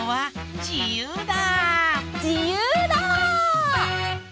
じゆうだ！